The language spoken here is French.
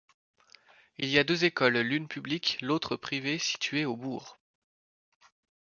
Il y a deux écoles, l'une publique, l'autre privée, situées au bourg.